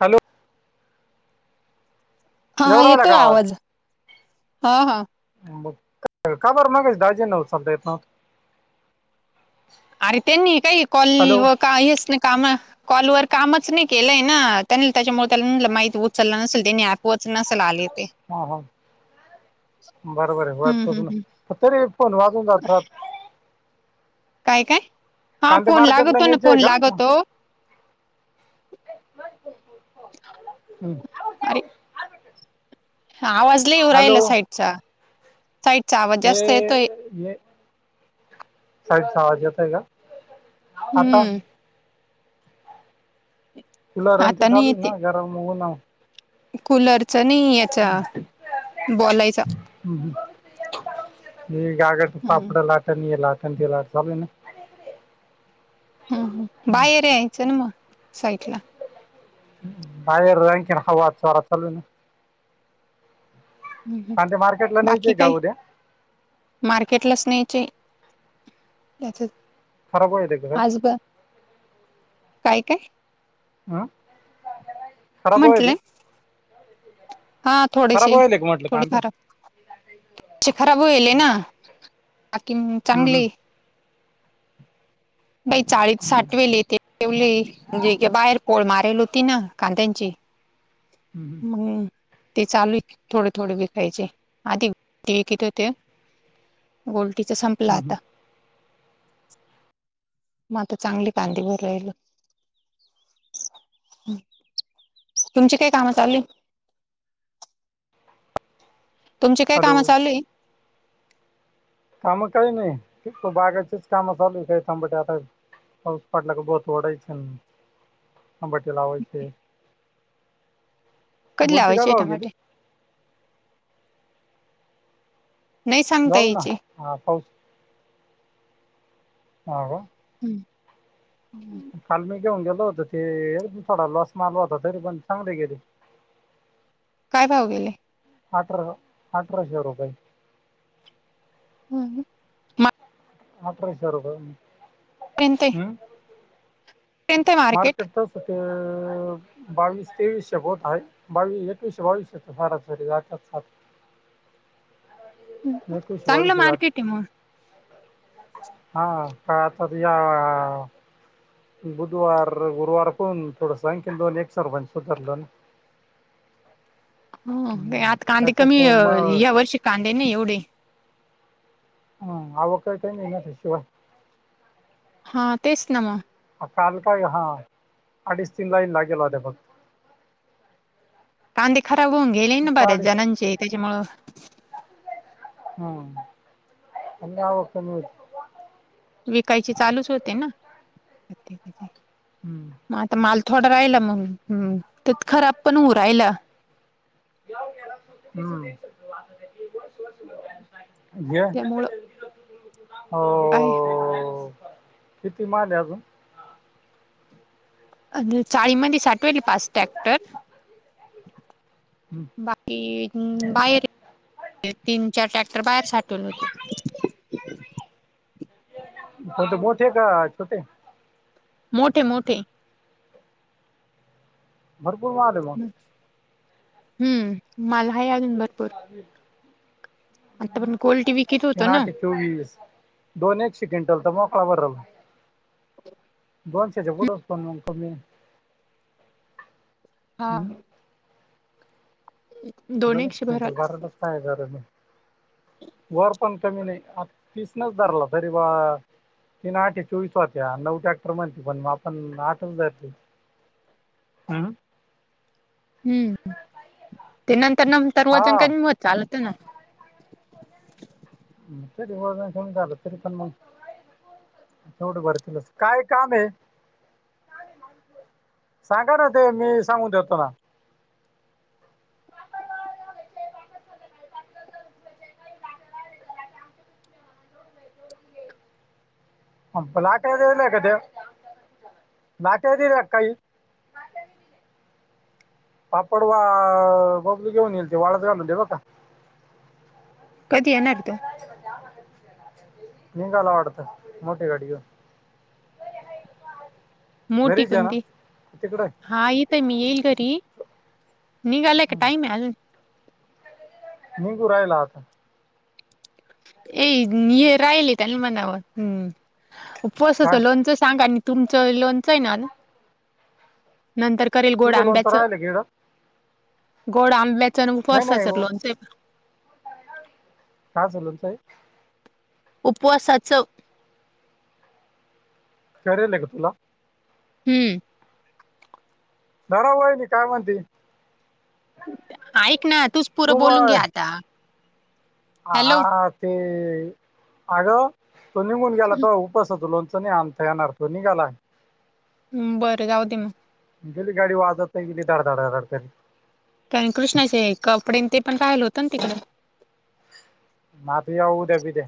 Hello. हा येऊ राहिला येतोय का आवाज हा हा. खबर मगस दहाजे [unintelligible] अरे त्यांनी काही कॉल हॅलो व काच ना काम कॉलवर? कामच नाही केलंय ना, त्यानी त्याच्यामुळे त्याला माहिती उचललं नसेल त्यांनी ऐकवच नसेल आले. ते हा हा बरोबर आहे हम्म हम्म वाटपचून हम्म तरी फोन वाजून जात राहात. काय काय? हा फोन मार्केटला लागततो ना न्यायचे आहे फोन का लागततो. हं. अरे आवाजला लई येऊ राहिला हॅलो साईडचा. साईडचा आवाज जास्त हे येतोय. हे साईडचा आवाज येतोय का? आता हम्म. तुल रंथ चालू ये ना घरा [unintelligible] कुलरचा नाही याचा बोलायचा. हं, हं. हे घागर हम्म पापड लाटायला येणार. ं लाट ना [unintelligible] हम् हम्, बाहेर यायचं ना मग. साईटला बाहेर [unintelligible] हवा जोरात चालू आहे. कांदे मार्केटला बाकी न्यायचे का काही उद्या मार्केटलाच न्यायचे. अच्छा [unintelligible] खराब वाहिल्याती काय? काय काय? आ? खराब म्हंटले व्हायले? हा खराब थोडेशी का म्हटलं थोडी कांदे खराब खराब होईल ना बाकी हम्म, चांगली बाई चाळीत हम्म, हम्म, साठवेले ते ठेवले म्हणजे बाहेर पोळ माराल होती ना कांद्यांची हम्म, हम्म. मण ते चालू थोडे थोडे विकायचे आधी इथं ते गोल तिच संपलं हम्म. आता मग आता चांगली कांदीे भर राहिल तुमची काय कामं चालू आहेत तुमची काय कामं हॅलो चालली काम काही नाही त बागाचीच कामं चालू का थांबाट आता पाऊस पाटल्या क बोत ओढायचे तांबाटी लावायचे कधी गुलटी काय लावायची आहेत भाव गेली टोमॅटो नाही सांगता जाऊ ना याची हा पाऊस ह का हम् फालम घेऊन गेल होत तरी पण थोडा लॉस माल होता तरी पण चांगली गेली काय भाव गेले अठरा अठराशे रुपये हम्म. अठराशे रुपये हम्म? [unintelligible] मार्केट तस ते अह बावीस तेवीसशे वोट आहे बावीस एकवीसशे बावीसश ते भाड्यांसाठी लागतात सा चांगलं मार्केट आहे मग हा का आता या बुधवार गुरुवार कोण थोड संख्यान दोन एक सरपांच सुधरलं ना हो का हम्म आता कांदे त्याच्यात कमी मग या वर्षी कांदे नाय एवढे हम्म आवक आहे काहीना शिवाय हा तेच ना मग. काल काय हा अडीच तीन लाईन लागेल होता फक्त कांदे खा [unintelligible] होऊन गेले ना फक्त बऱ्याच अडीच जणांचे त्याच्यामूळ हम्म [unintelligible] विकायची चालूच होते ना प्रत्येकाचे हम्म. मला तर माल थोडा राहिला मग हम्म तेत खराब पण होऊ राहिला हम्म. त्यामुळं जे हो. किती माल हाय अजून? अ चाळी मध्ये साठ [unintelligible] पाच टॅक्टर हम्म. बाकी हम्म बाहेर तीन चार ट्रॅक्टर बाहेर साठवले होते होत मोठे का छोटे? मोठे मोठे. बरं [unintelligible] हम्म माल हाय अजून भरपूर आतापर्यंत पर्यंत कोल्डटी विकीत होत तीन ना आठ चोवीस दोन एक सेकंड [unintelligible] होय. दोनशेच्या पुुड पण मग कमी आहे हा. दोन दोनच एकशे भराल क्विंटल बारालाच काय झारा म वर पण कमी नाही आ फिसनच धरला तरी बा ती ना आठे चोवीस वात्या नऊ टॅक्टर म्हणते पण मग आपण आठच जात हम्. हम्म त्यांना तर नंतर वजन हा काही चालत. त ना ते दिव झालं तरी पण मग तेवढ भर तलं काय काम आहे सांगा ना ते मी सांगून दतो ना. ब लाट ला का देव लाट यल काय [unintelligible] पापड वा बगली घेऊन येईल ते वाळत घालव दे ब का कधी येणारर् तो. निघायला वाटत मोठी गाडी घेऊन. मोठी घरीच आहे ना कोणती तिकडे हा इथं मी येईल घरी. नि गा एक टाईम आहे. निघू राहिला आता. ए राहिले त्यानी मनाव हम्म. काय उपसचं लोनचं सांगा आणि तुमचं लोनचं आहे नाल. नंतर करेल गोड तुझं लोणचं आंब्याचं राहिलं की इकडं? गोड आंबे. चण नाही पोतात नाही सर हो लोनचेे काय झालल साईब. उपवासाचं. खर ले कतला हम्म. नरा व आहेली काय म्हणती. ऐक ना तूच पुरं बोलून घ्या आता. ह हा हॅलो ते ते आ. तो निघून गेला तो उपास हो. त नाही आणता येणार तो निघाला. हम् बरं जाऊ दे मग गेली गाडी वाजत नाही गेली डधडधडतरी कारण कृष्णाचे कपडे ते पण राहिलं होतं ना तिकडं. मात याव उद्या पिद्या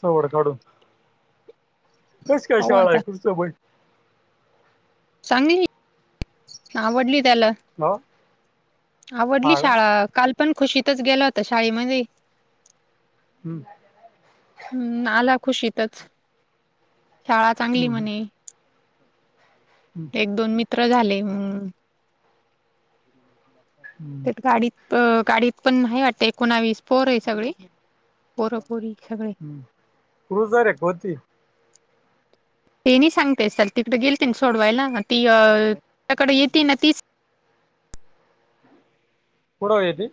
सोड काडून कशी काय पाहू शाळा आहे आता कुर्चं ब चांगली आवडली. त्याला हा आवडली हा का? शाळा काल पण खुशीतच गेल होत शाळेमध्ये. हम्म, हम्म आला. खुशीतच शाळा चांगली हम्म, म्हणे. हम्म, एक दोन मी त्र झाले मअअ हम्म, तर गाडी अ गाडीत पण नाही वाटत एकोणावीस पोर आहे सगळी पोरपोरी क्रुज रे कोणती? ते नाही सांगते सर तिकडे गेलते सोडवायला ती त्याकडे येती ना तीच कुडव ती?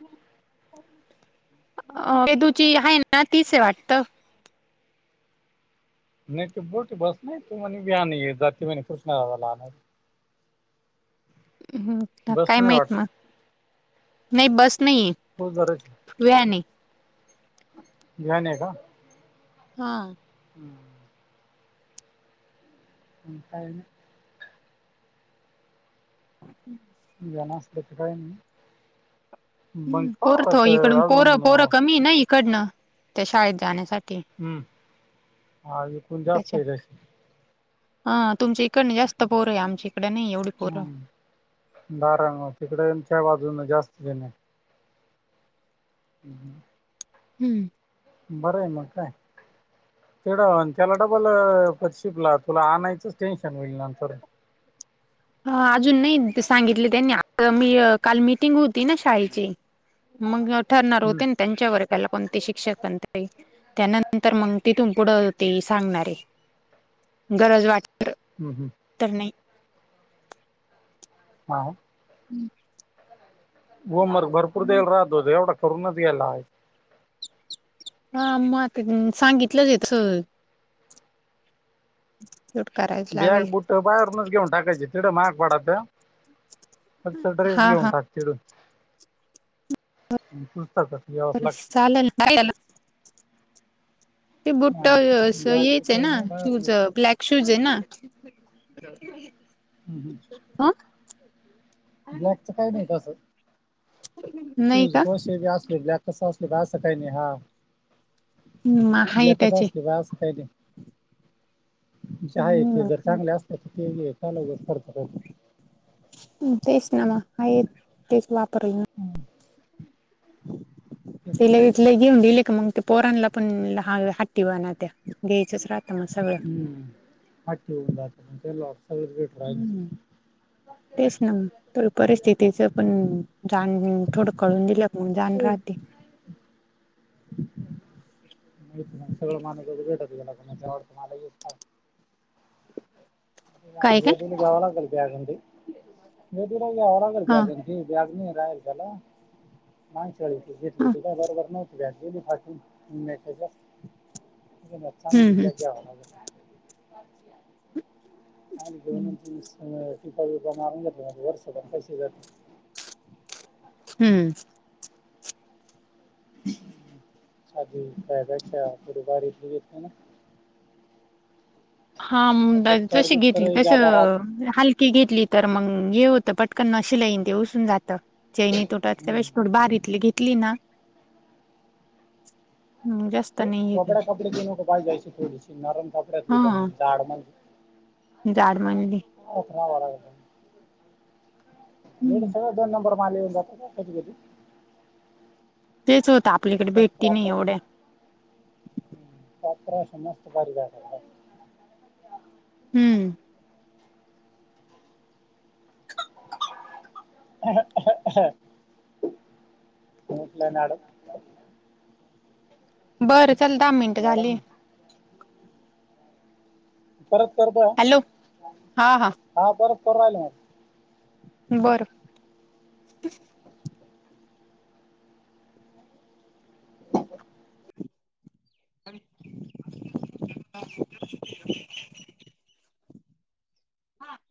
अ तेदूची आहे ना तीच आहे वाटत. नाही ती मोठी बस नाही तू म्हणी व्हन जाती म्हणी कृष्णा दादाला आणायला म् बस काय नाही माहित वाटत मग? नाही बस नाही हो जराच व्हॅने. व्हॅने का? हा [inaudible] [inaudible] तस काय नाही. मग हम् पाहू पोरत आता इकडून पोरं अजून पोरं हम्म कमी नाही. कडनं त्या शाळेत जाण्यासाठी हम्म हिकून त्याच्या जास्त तशी हा तुमची इकडणी जास्त पोरं आहे आमच्या इकडे नाही एवढी पोरं. हम् दार तिकडेच्या वाज जून जास्त देन [inaudible] हम्म बरंय आहे मग काय तेडावंत केला डबल पशीिप्लात तुला आणायचंच टेन्शन होईल नंतर ह अजून नाही सांगितले त्यांनी आ मी काल मीटिंग होती ना शाळेची मग ठरणार हम्म होते आणि त्यांच्यावर ला कोणते शिक्षक बण त्यानंतर मग तिथून पुढं होते सांगणारे गरज वाट हम्म हम्म हां हम् होोम वर्क भरपूर देेल रा अ द देवढ तर्मधला हा म सांगितलंच आहे स ह् बॅग बुट्टं बाहेरूनच घेऊन टाकायची चिड माग बडध म ड्रेस गे हा हा उंटाकतड अ सलन ते बुट्ट अस बॅग येच बुट आहे ना शूज बाहेर ब्लॅक शूज आहे ना ह का ब्लॅकचं काही नाही तसं [unintelligible] [unintelligible] नाही का? ब्लॅकाच असतील असं काय नाही. हम्म आहे त्याचे हम्म तेच [unintelligible] [unintelligible] तिला इथला घेऊन दिले का मग ते पोरांला [unintelligible] हम् ह ठ होऊन जात लॉ हम् तेच ना थोड परिस्थितीच पण जाण ह थोडं कळून [unintelligible] [unintelligible] [unintelligible] [inaudible] काय काय [unintelligible] काय हा झालं त्याला ह [unintelligible] [unintelligible] [unintelligible] हम्म [unintelligible] हम्म [inaudible] [unintelligible] [unintelligible] हम्म [unintelligible] हा तर बघ दप्तर जशी घेतली बिप्तर तशी जादा राहतो हलकी घेतली. तर मग हे होतं पटकन ना शीलाईन ते उपसून जातं. हम्म. [unintelligible] क्लीना [unintelligible] [unintelligible] हा [unintelligible] जाड म्हणली. हा बरोबर मग हम्म सगळं दोन नंबर वाले येऊन जात का कधी कधी तेच होत आपल्याकडे भेटी नाही प्रॉपर एवढ्या प्रॉपर असं मस्त परिवार हम्म ते ना मॅडम बरं चल दहा मिनट मॅडम झाली परत करत हॅलो हा परत करून राहिला मॅडम बरं [unintelligible] हा